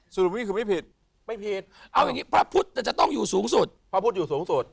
สรุปนี่คือไม่ผิดไม่ผิดเอาอย่างนี้พระพุทธจะต้องอยู่สูงสุดพระพุทธอยู่สูงสุด